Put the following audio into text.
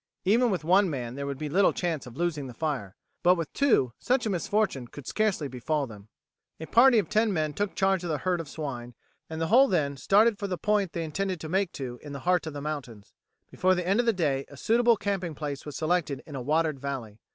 Even with one man there would be little chance of losing the fire, but with two such a misfortune could scarcely befall them. A party of ten men took charge of the herd of swine, and the whole then started for the point they intended to make to in the heart of the mountains. Before the end of the day a suitable camping place was selected in a watered valley.